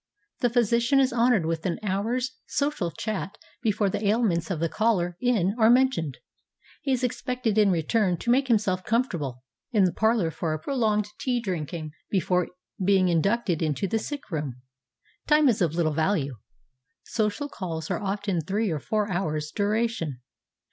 The physician is honored with an hour's social chat before the ailments of the caller in are mentioned. He is expected in return to make himself comfortable in the parlor for a pro longed tea drinking before being inducted into the sick room. Time is of Httle value. Social calls are often of three or four hours' duration.